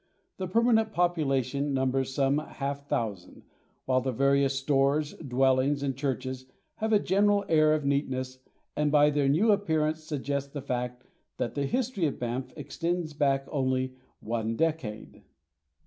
The permanent population numbers some half thousand, while the various stores, dwellings, and churches have a general air of neatness and by their new appearance suggest the fact that the history of Banff extends back only one decade.